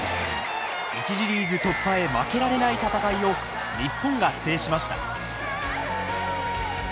一次リーグ突破へ負けられない戦いを日本が制しました。